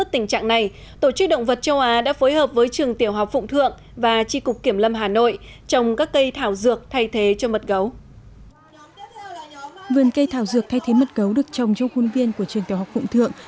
thảo dược thay thế mất gấu được trồng trong khuôn viên của trường tiểu học phụng thượng